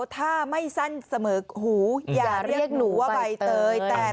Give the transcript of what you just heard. ถ้าไม่สั้นเสมอหูอย่าเรียกหนูว่าใบเตย